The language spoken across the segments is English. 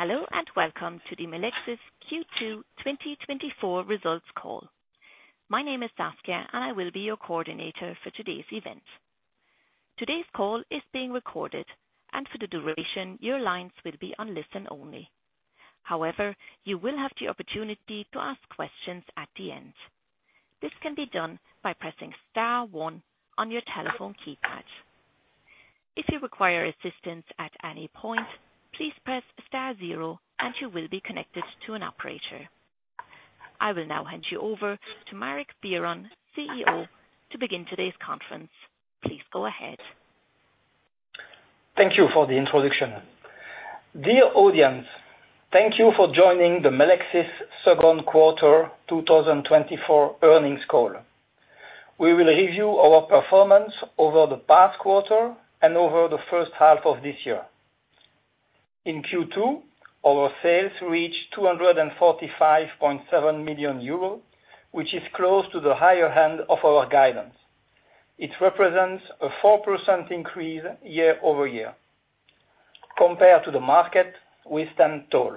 Hello and welcome to the Melexis Q2 2024 results call. My name is Saskia, and I will be your coordinator for today's event. Today's call is being recorded, and for the duration, your lines will be on listen only. However, you will have the opportunity to ask questions at the end. This can be done by pressing star one on your telephone keypad. If you require assistance at any point, please press star zero, and you will be connected to an operator. I will now hand you over to Marc Biron, CEO, to begin today's conference. Please go ahead. Thank you for the introduction. Dear audience, thank you for joining the Melexis Q2 2024 earnings call. We will review our performance over the past quarter and over the first half of this year. In Q2, our sales reached 245.7 million euros, which is close to the higher end of our guidance. It represents a 4% increase year-over-year. Compared to the market, we stand tall.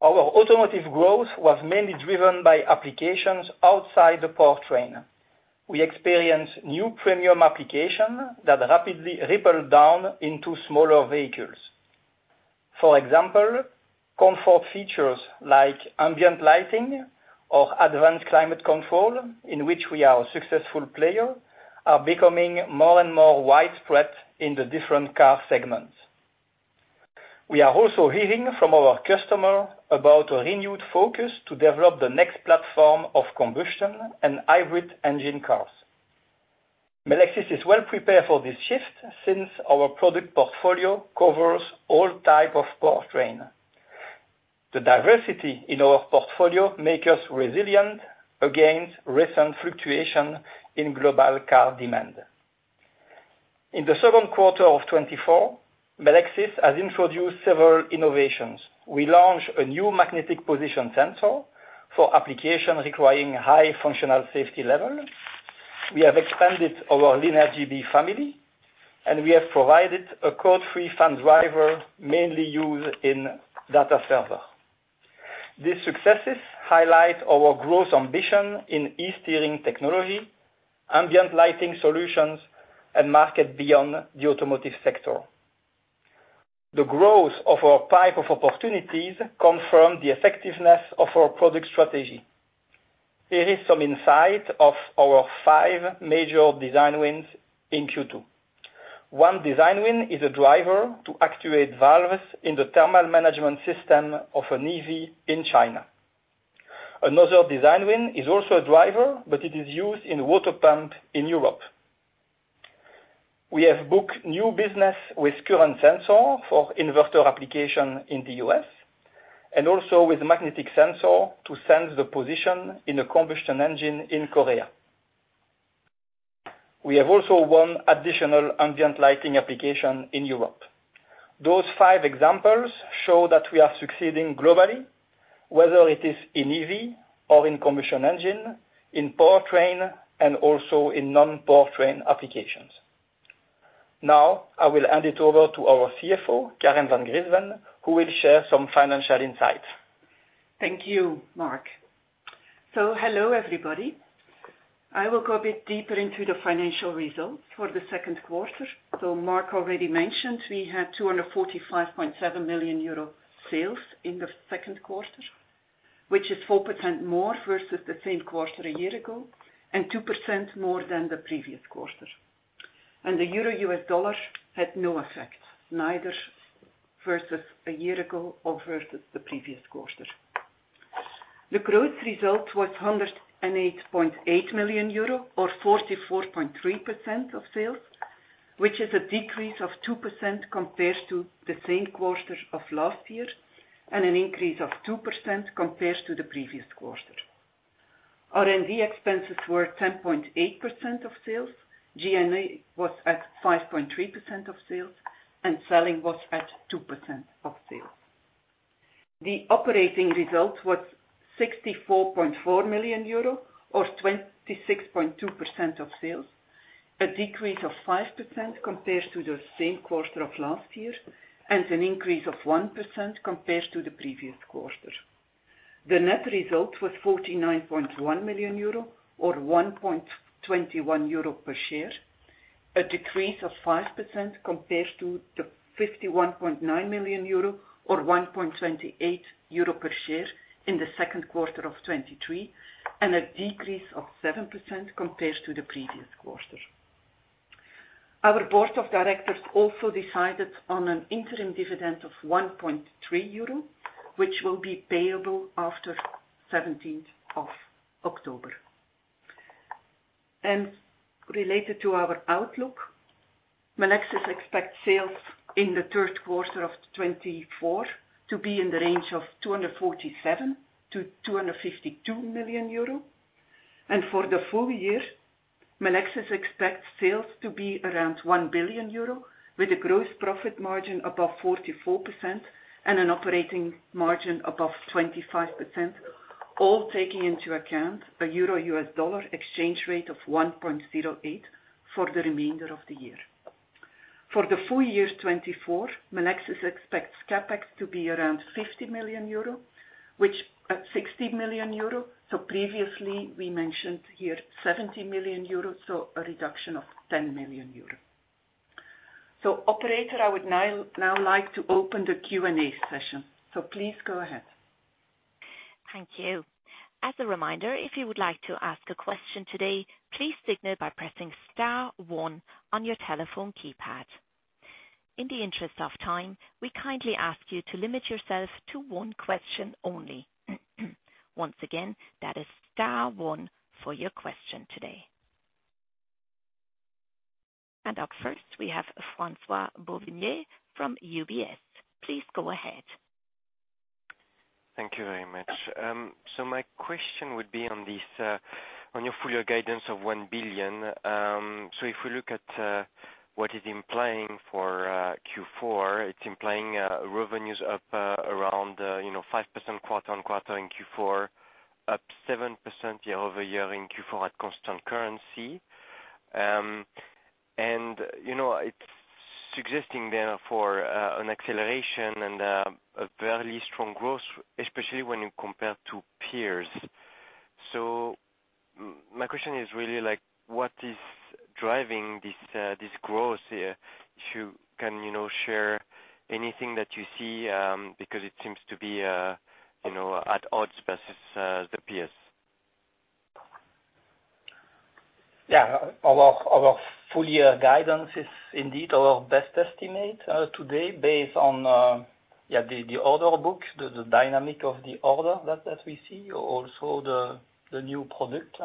Our automotive growth was mainly driven by applications outside the powertrain. We experienced new premium applications that rapidly rippled down into smaller vehicles. For example, comfort features like ambient lighting or advanced climate control, in which we are a successful player, are becoming more and more widespread in the different car segments. We are also hearing from our customers about a renewed focus to develop the next platform of combustion and hybrid engine cars. Melexis is well prepared for this shift since our product portfolio covers all types of powertrain. The diversity in our portfolio makes us resilient against recent fluctuations in global car demand. In the Q2 of 2024, Melexis has introduced several innovations. We launched a new magnetic position sensor for applications requiring a high functional safety level. We have expanded our Linear Hall family, and we have provided a code-free fan driver mainly used in data servers. These successes highlight our growth ambition in e-steering technology, ambient lighting solutions, and markets beyond the automotive sector. The growth of our pipe of opportunities confirms the effectiveness of our product strategy. Here is some insight of our 5 major design wins in Q2. One design win is a driver to actuate valves in the thermal management system of an EV in China. Another design win is also a driver, but it is used in water pumps in Europe. We have booked new business with current sensors for inverter applications in the U.S., and also with a magnetic sensor to sense the position in a combustion engine in Korea. We have also won additional ambient lighting applications in Europe. Those five examples show that we are succeeding globally, whether it is in EVs or in combustion engines, in powertrains, and also in non-powertrain applications. Now, I will hand it over to our CFO, Karen Van Griensven, who will share some financial insights. Thank you, Marc. Hello, everybody. I will go a bit deeper into the financial results for the Q2. Marc already mentioned we had 245.7 million euro sales in the Q2, which is 4% more versus the same quarter a year ago, and 2% more than the previous quarter. The euro US dollar had no effect, neither versus a year ago or versus the previous quarter. The gross result was 108.8 million euro, or 44.3% of sales, which is a decrease of 2% compared to the same quarter of last year, and an increase of 2% compared to the previous quarter. R&D expenses were 10.8% of sales, G&A was at 5.3% of sales, and selling was at 2% of sales. The operating result was 64.4 million euro, or 26.2% of sales, a decrease of 5% compared to the same quarter of last year, and an increase of 1% compared to the previous quarter. The net result was 49.1 million euro, or 1.21 euro per share, a decrease of 5% compared to the 51.9 million euro, or 1.28 euro per share in the Q2 of 2023, and a decrease of 7% compared to the previous quarter. Our board of directors also decided on an interim dividend of 1.3 euro, which will be payable after the 17th of October. Related to our outlook, Melexis expects sales in the Q3 of 2024 to be in the range of 247 million-252 million euro. For the full year, Melexis expects sales to be around 1 billion euro, with a gross profit margin above 44% and an operating margin above 25%, all taking into account a euro-US dollar exchange rate of 1.08 for the remainder of the year. For the full year 2024, Melexis expects CapEx to be around 50 million euro, which is 60 million euro. Previously, we mentioned here 70 million euro, so a reduction of 10 million euro. Operator, I would now like to open the Q&A session. Please go ahead. Thank you. As a reminder, if you would like to ask a question today, please signal by pressing star one on your telephone keypad. In the interest of time, we kindly ask you to limit yourself to one question only. Once again, that is star one for your question today. And up first, we have Francois-Xavier Bouvignies from UBS. Please go ahead. Thank you very much. So my question would be on your full year guidance of 1 billion. So if we look at what it's implying for Q4, it's implying revenues up around 5% quarter-on-quarter in Q4, up 7% year-over-year in Q4 at constant currency. And it's suggesting therefore an acceleration and a fairly strong growth, especially when you compare to peers. So my question is really like, what is driving this growth here? If you can share anything that you see because it seems to be at odds versus the peers. Yeah. Our full year guidance is indeed our best estimate today based on the order book, the dynamic of the order that we see, also the new product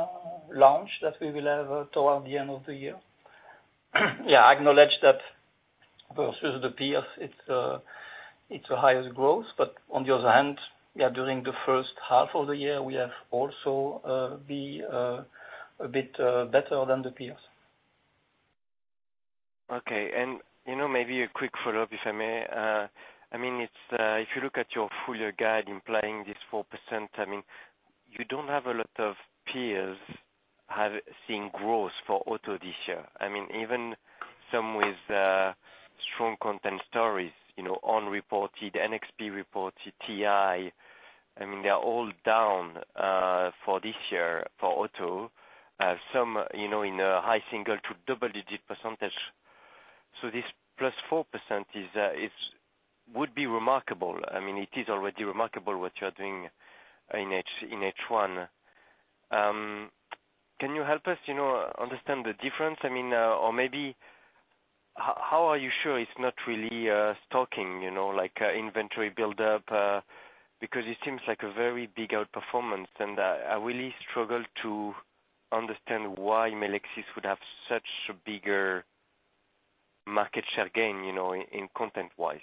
launch that we will have toward the end of the year. Yeah, I acknowledge that versus the peers, it's the highest growth. But on the other hand, during the first half of the year, we have also been a bit better than the peers. Okay. Maybe a quick follow-up, if I may. I mean, if you look at your full year guide implying this 4%, I mean, you don't have a lot of peers seeing growth for auto this year. I mean, even some with strong content stories, unreported, NXP reported, TI, I mean, they're all down for this year for auto. Some in a high single-digit to double-digit percentage. This +4% would be remarkable. I mean, it is already remarkable what you are doing in H1. Can you help us understand the difference? I mean, or maybe how are you sure it's not really stocking like inventory build-up? Because it seems like a very big outperformance, and I really struggle to understand why Melexis would have such a bigger market share gain in content-wise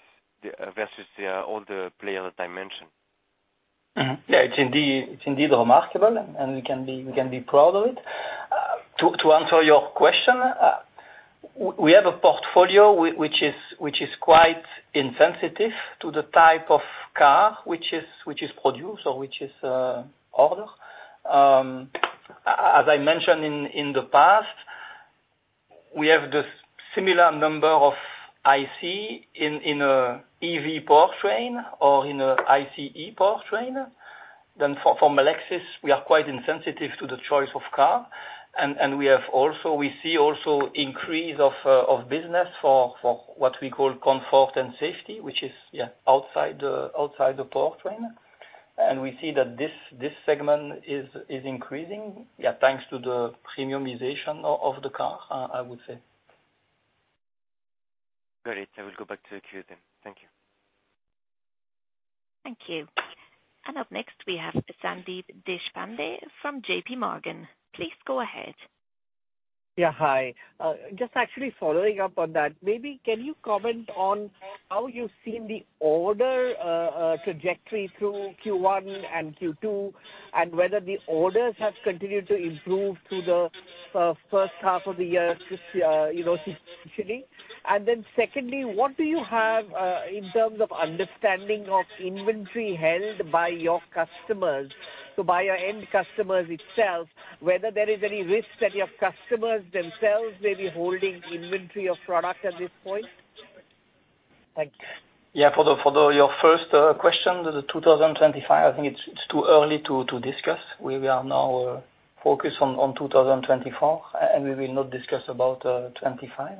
versus all the players that I mentioned. Yeah, it's indeed remarkable, and we can be proud of it. To answer your question, we have a portfolio which is quite insensitive to the type of car which is produced or which is ordered. As I mentioned in the past, we have the similar number of IC in an EV powertrain or in an ICE powertrain. Then for Melexis, we are quite insensitive to the choice of car. And we see also an increase of business for what we call comfort and safety, which is outside the powertrain. And we see that this segment is increasing, yeah, thanks to the premiumization of the car, I would say. Got it. I will go back to the Q then. Thank you. Thank you. Up next, we have Sandeep Deshpande from J.P. Morgan. Please go ahead. Yeah, hi. Just actually following up on that, maybe can you comment on how you've seen the order trajectory through Q1 and Q2, and whether the orders have continued to improve through the first half of the year successfully? And then secondly, what do you have in terms of understanding of inventory held by your customers, so by your end customers itself, whether there is any risk that your customers themselves may be holding inventory of product at this point? Thank you. Yeah, for your first question, the 2025, I think it's too early to discuss. We are now focused on 2024, and we will not discuss about '25.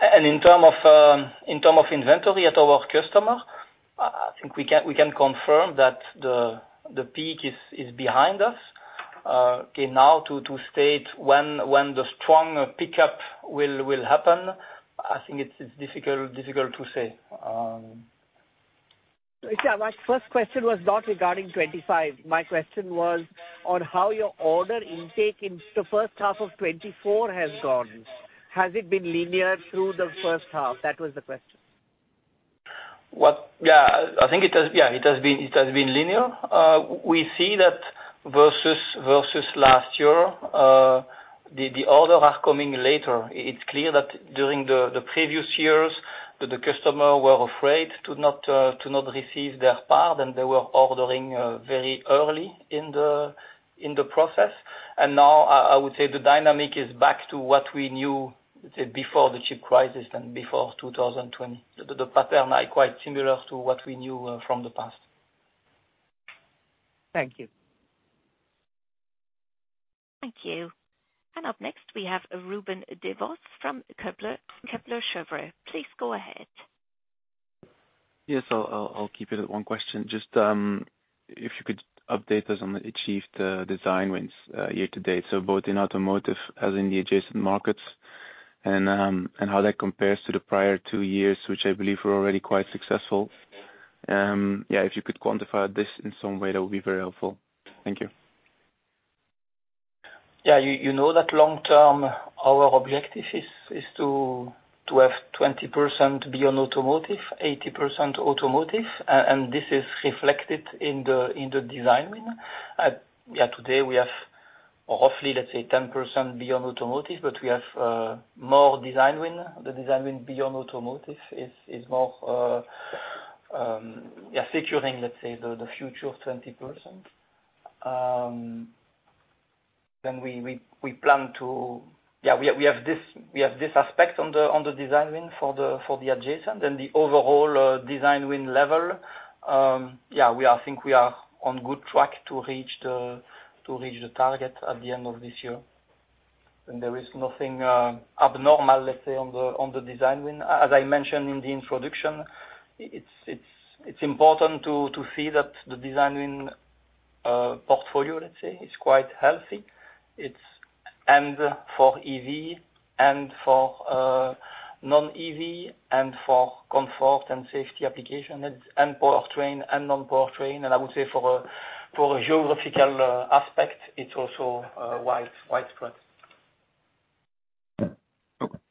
And in terms of inventory at our customer, I think we can confirm that the peak is behind us. Okay, now to state when the strong pickup will happen, I think it's difficult to say. Yeah, my first question was not regarding 2025. My question was on how your order intake in the first half of 2024 has gone. Has it been linear through the first half? That was the question. Yeah, I think it has been linear. We see that versus last year, the orders are coming later. It's clear that during the previous years, the customers were afraid to not receive their part, and they were ordering very early in the process. And now, I would say the dynamic is back to what we knew before the chip crisis and before 2020. The pattern is quite similar to what we knew from the past. Thank you. Thank you. And up next, we have Ruben Devos from Kepler Cheuvreux. Please go ahead. Yes, I'll keep it at one question. Just if you could update us on the achieved design wins year to date, so both in automotive as in the adjacent markets, and how that compares to the prior two years, which I believe were already quite successful. Yeah, if you could quantify this in some way, that would be very helpful. Thank you. Yeah, you know that long-term, our objective is to have 20% beyond automotive, 80% automotive, and this is reflected in the design win. Yeah, today we have roughly, let's say, 10% beyond automotive, but we have more design win. The design win beyond automotive is more securing, let's say, the future 20%. Then we plan to, yeah, we have this aspect on the design win for the adjacent and the overall design win level. Yeah, I think we are on good track to reach the target at the end of this year. And there is nothing abnormal, let's say, on the design win. As I mentioned in the introduction, it's important to see that the design win portfolio, let's say, is quite healthy. It's for EV and for non-EV and for comfort and safety applications, and powertrain and non-powertrain. And I would say for a geographical aspect, it's also widespread.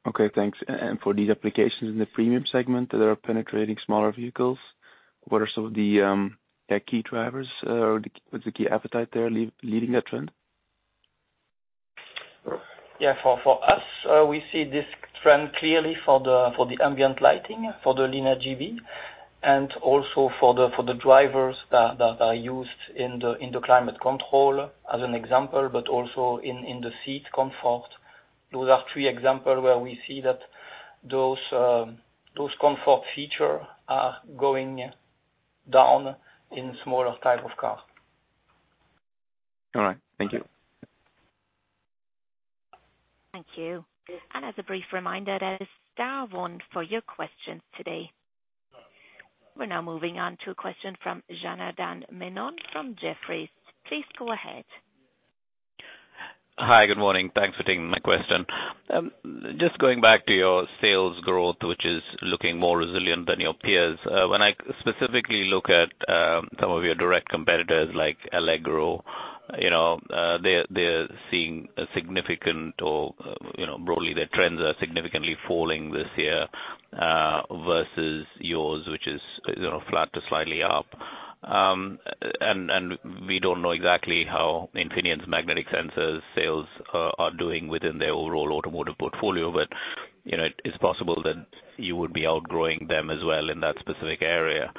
Okay, thanks. For these applications in the premium segment that are penetrating smaller vehicles, what are some of the key drivers? What's the key appetite there leading that trend? Yeah, for us, we see this trend clearly for the ambient lighting, for the Linear GB, and also for the drivers that are used in the climate control as an example, but also in the seat comfort. Those are three examples where we see that those comfort features are going down in smaller type of car. All right. Thank you. Thank you. And as a brief reminder, that is star one for your questions today. We're now moving on to a question from Janardan Menon from Jefferies. Please go ahead. Hi, good morning. Thanks for taking my question. Just going back to your sales growth, which is looking more resilient than your peers. When I specifically look at some of your direct competitors like Allegro, they're seeing a significant or broadly, their trends are significantly falling this year versus yours, which is flat to slightly up. And we don't know exactly how Infineon's magnetic sensor sales are doing within their overall automotive portfolio, but it's possible that you would be outgrowing them as well in that specific area.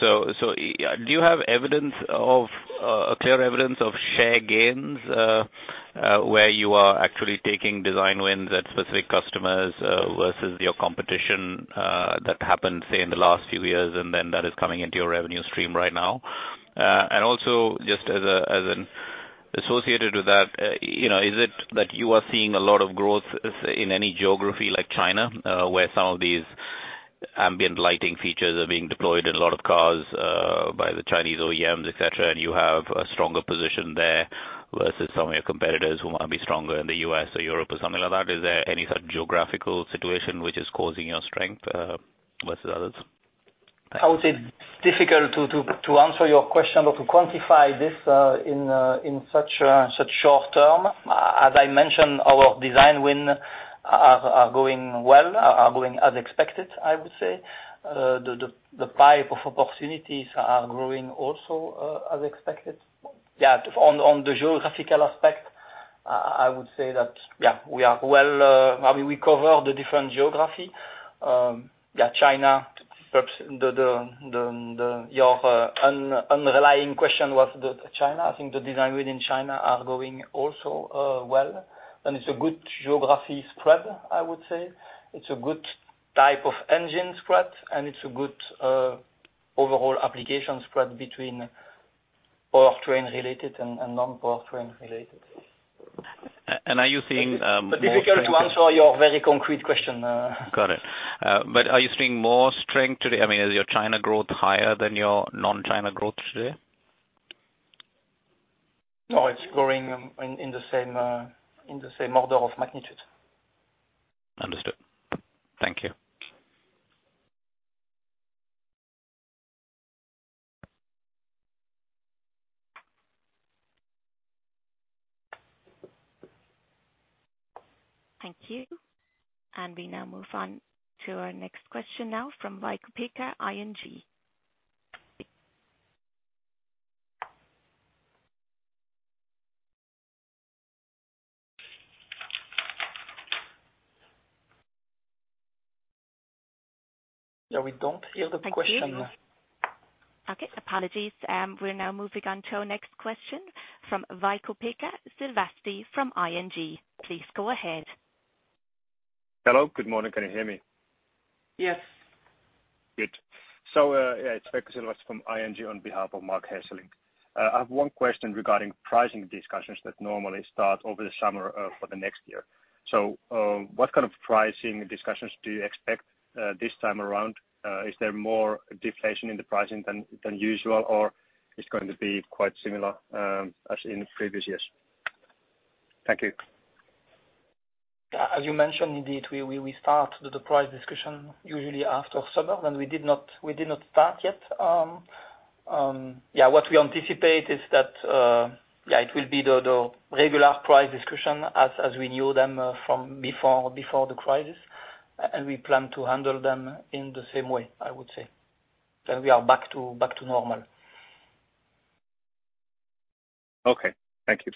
So do you have clear evidence of share gains where you are actually taking design wins at specific customers versus your competition that happened, say, in the last few years, and then that is coming into your revenue stream right now? And also, just as an aside associated with that, is it that you are seeing a lot of growth in any geography like China, where some of these ambient lighting features are being deployed in a lot of cars by the Chinese OEMs, etc., and you have a stronger position there versus some of your competitors who might be stronger in the U.S. or Europe or something like that? Is there any sort of geographical situation which is causing your strength versus others? I would say it's difficult to answer your question or to quantify this in such short term. As I mentioned, our design wins are going well, are going as expected, I would say. The pipeline of opportunities are growing also as expected. Yeah, on the geographical aspect, I would say that, yeah, we are well, I mean, we cover the different geography. Yeah, China, perhaps your underlying question was China. I think the design wins in China are going also well. And it's a good geography spread, I would say. It's a good type of engine spread, and it's a good overall application spread between powertrain-related and non-powertrain-related. Are you seeing? It's difficult to answer your very concrete question. Got it. But are you seeing more strength today? I mean, is your China growth higher than your non-China growth today? No, it's growing in the same order of magnitude. Understood. Thank you. Thank you. We now move on to our next question now from Vico, ING. Yeah, we don't hear the question. Okay. Apologies. We're now moving on to our next question from Vico Picca from ING. Please go ahead. Hello. Good morning. Can you hear me? Yes. Good. So yeah, it's Vico Picca from ING on behalf of Marc Hesselink. I have one question regarding pricing discussions that normally start over the summer for the next year. So what kind of pricing discussions do you expect this time around? Is there more deflation in the pricing than usual, or is it going to be quite similar as in previous years? Thank you. As you mentioned, indeed, we start the price discussion usually after summer, and we did not start yet. Yeah, what we anticipate is that, yeah, it will be the regular price discussion as we knew them from before the crisis. And we plan to handle them in the same way, I would say. Then we are back to normal. Okay. Thank you.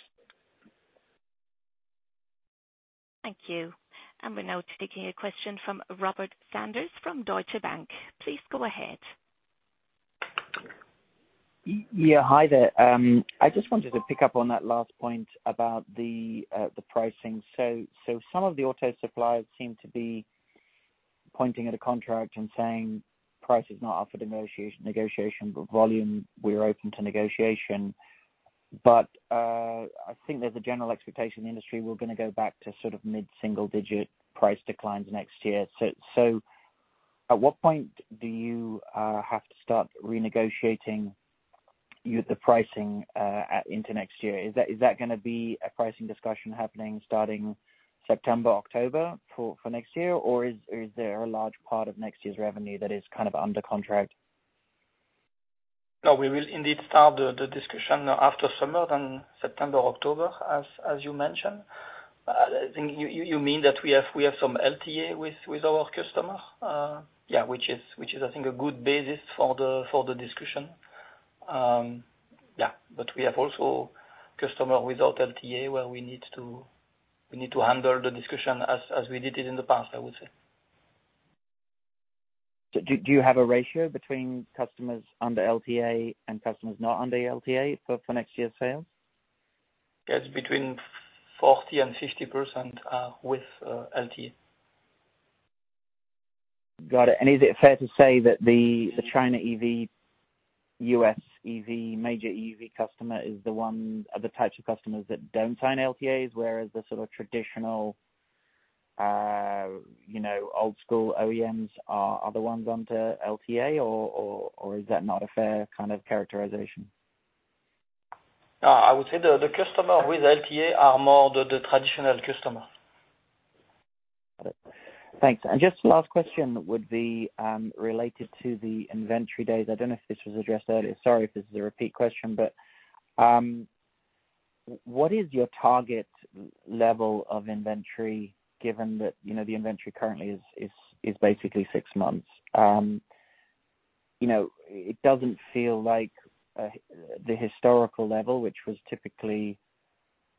Thank you. We're now taking a question from Robert Sanders from Deutsche Bank. Please go ahead. Yeah, hi there. I just wanted to pick up on that last point about the pricing. So some of the auto suppliers seem to be pointing at a contract and saying, "Price is not up for negotiation, but volume, we're open to negotiation." But I think there's a general expectation in the industry we're going to go back to sort of mid-single-digit price declines next year. So at what point do you have to start renegotiating the pricing into next year? Is that going to be a pricing discussion happening starting September, October for next year, or is there a large part of next year's revenue that is kind of under contract? No, we will indeed start the discussion after summer, then September, October, as you mentioned. You mean that we have some LTA with our customer, yeah, which is, I think, a good basis for the discussion. Yeah, but we have also customers without LTA where we need to handle the discussion as we did it in the past, I would say. Do you have a ratio between customers under LTA and customers not under LTA for next year's sales? It's between 40% and 50% with LTA. Got it. Is it fair to say that the China EV, US EV, major EV customer is the one of the types of customers that don't sign LTAs, whereas the sort of traditional old-school OEMs are the ones under LTA, or is that not a fair kind of characterization? I would say the customers with LTA are more the traditional customers. Got it. Thanks. Just the last question would be related to the inventory days. I don't know if this was addressed earlier. Sorry if this is a repeat question, but what is your target level of inventory, given that the inventory currently is basically 6 months? It doesn't feel like the historical level, which was typically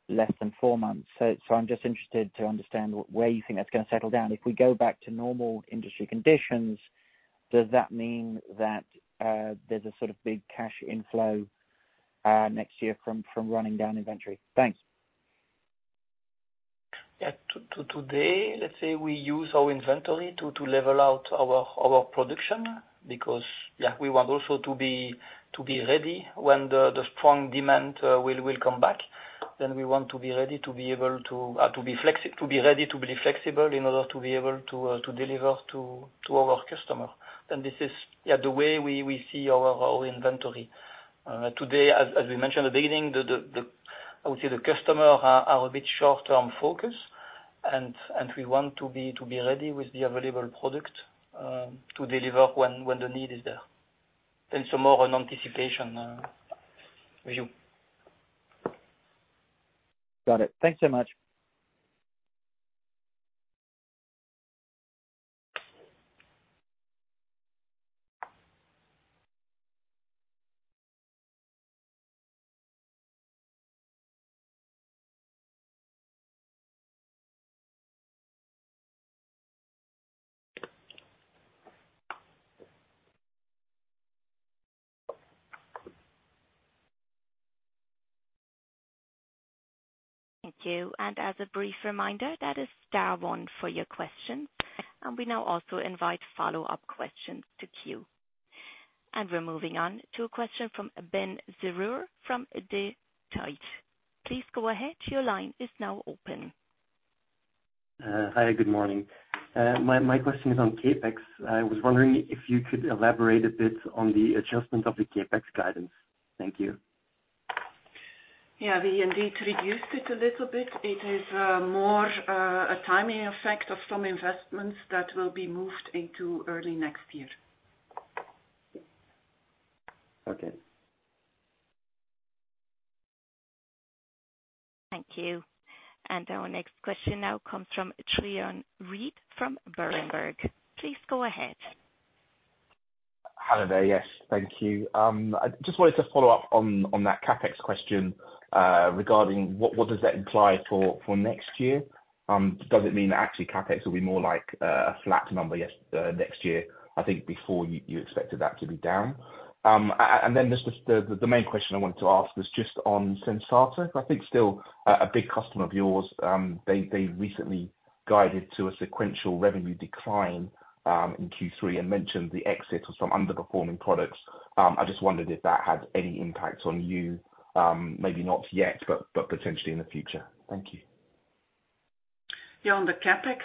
less than 4 months. I'm just interested to understand where you think that's going to settle down. If we go back to normal industry conditions, does that mean that there's a sort of big cash inflow next year from running down inventory? Thanks. Yeah, today, let's say we use our inventory to level out our production because, yeah, we want also to be ready when the strong demand will come back. Then we want to be ready to be able to be flexible, to be ready to be flexible in order to be able to deliver to our customer. And this is, yeah, the way we see our inventory. Today, as we mentioned at the beginning, I would say the customers are a bit short-term focused, and we want to be ready with the available product to deliver when the need is there. And it's more an anticipation view. Got it. Thanks so much. Thank you. And as a brief reminder, that is star one for your questions. And we now also invite follow-up questions to queue. And we're moving on to a question from Ben Serrure from De Tijd. Please go ahead. Your line is now open. Hi, good morning. My question is on CapEx. I was wondering if you could elaborate a bit on the adjustment of the CapEx guidance. Thank you. Yeah, we indeed reduced it a little bit. It is more a timing effect of some investments that will be moved into early next year. Okay. Thank you. And our next question now comes from Trion Reid from Berenberg. Please go ahead. Hi there. Yes, thank you. I just wanted to follow up on that Capex question regarding what does that imply for next year? Does it mean that actually Capex will be more like a flat number next year, I think, before you expected that to be down? And then just the main question I wanted to ask was just on Sensata. I think still a big customer of yours. They recently guided to a sequential revenue decline in Q3 and mentioned the exit of some underperforming products. I just wondered if that had any impact on you. Maybe not yet, but potentially in the future. Thank you. Yeah, on the Capex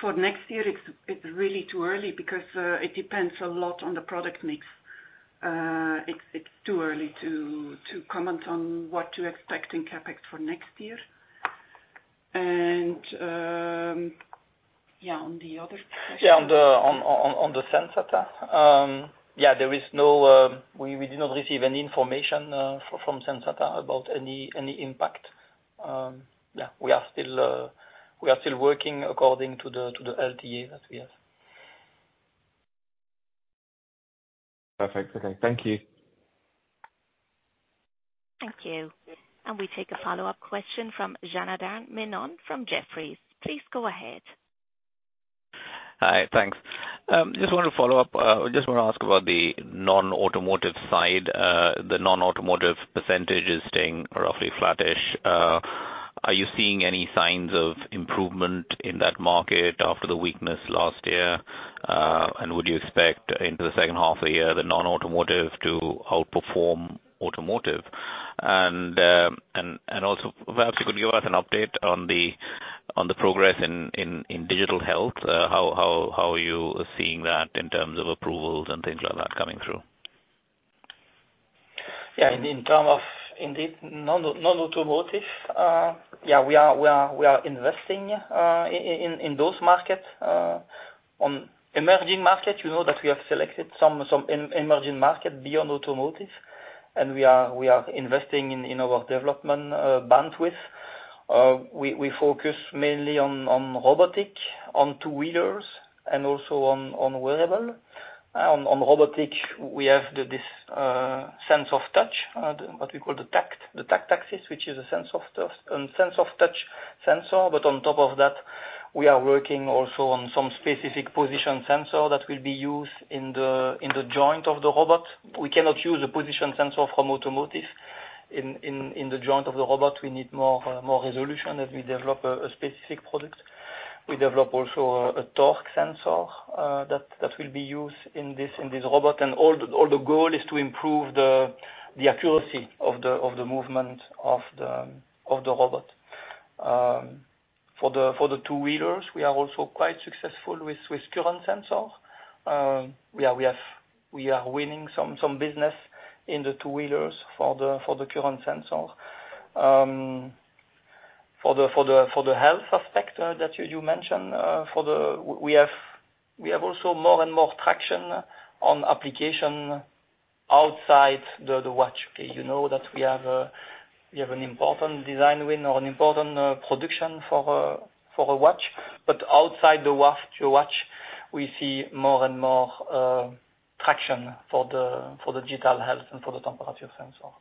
for next year, it's really too early because it depends a lot on the product mix. It's too early to comment on what to expect in Capex for next year. And yeah, on the other question. Yeah, on the Sensata, yeah, there is no we did not receive any information from Sensata about any impact. Yeah, we are still working according to the LTA that we have. Perfect. Okay. Thank you. Thank you. We take a follow-up question from Janardan Menon from Jefferies. Please go ahead. Hi, thanks. Just wanted to follow up. I just want to ask about the non-automotive side. The non-automotive percentage is staying roughly flattish. Are you seeing any signs of improvement in that market after the weakness last year? And would you expect into the second half of the year the non-automotive to outperform automotive? And also, perhaps you could give us an update on the progress in digital health. How are you seeing that in terms of approvals and things like that coming through? Yeah, in terms of indeed non-automotive, yeah, we are investing in those markets. On emerging markets, you know that we have selected some emerging markets beyond automotive, and we are investing in our development bandwidth. We focus mainly on robotics, on two-wheelers, and also on wearables. On robotics, we have this sense of touch, what we call the Tactaxis, which is a sense of touch sensor. But on top of that, we are working also on some specific position sensor that will be used in the joint of the robot. We cannot use a position sensor from automotive in the joint of the robot. We need more resolution as we develop a specific product. We develop also a torque sensor that will be used in this robot. And all the goal is to improve the accuracy of the movement of the robot. For the two-wheelers, we are also quite successful with current sensor. Yeah, we are winning some business in the two-wheelers for the current sensor. For the health aspect that you mentioned, we have also more and more traction on application outside the watch. Okay, you know that we have an important design win or an important production for a watch. But outside the watch, we see more and more traction for the digital health and for the temperature sensor.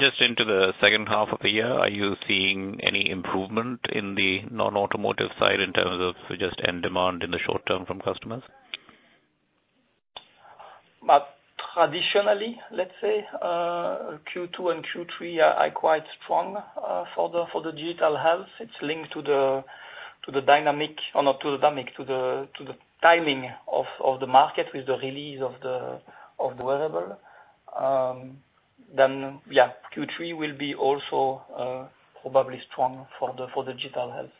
Just into the second half of the year, are you seeing any improvement in the non-automotive side in terms of just end demand in the short term from customers? Traditionally, let's say, Q2 and Q3 are quite strong for the digital health. It's linked to the dynamic or not to the dynamic, to the timing of the market with the release of the wearable. Then, yeah, Q3 will be also probably strong for the digital health.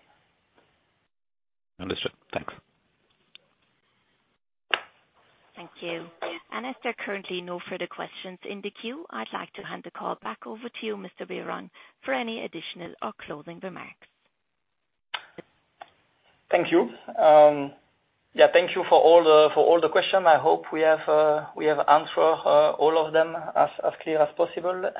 Understood. Thanks. Thank you. And as there are currently no further questions in the queue, I'd like to hand the call back over to you, Mr. Biron, for any additional or closing remarks. Thank you. Yeah, thank you for all the questions. I hope we have answered all of them as clear as possible.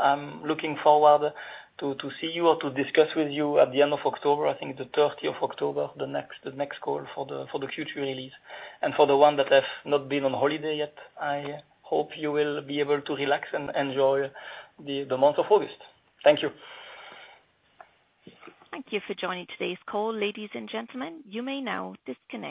I'm looking forward to see you or to discuss with you at the end of October, I think the 30th of October, the next call for the Q2 release. For the ones that have not been on holiday yet, I hope you will be able to relax and enjoy the month of August. Thank you. Thank you for joining today's call, ladies and gentlemen. You may now disconnect.